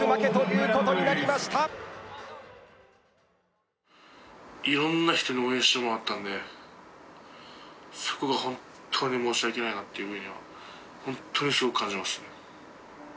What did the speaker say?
いろんな人に応援してもらったんでそこが本当に申し訳ないなっていうふうには本当にすごく感じますね